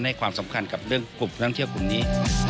ให้ความสำคัญกับเรื่องกลุ่มท่องเที่ยวกลุ่มนี้